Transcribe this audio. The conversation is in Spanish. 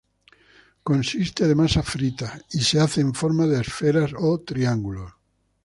Consisten de masa frita, y se hacen en formas de esferas o triángulos.